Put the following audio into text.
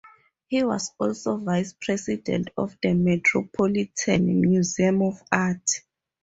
He was also vice president of the Metropolitan Museum of Art.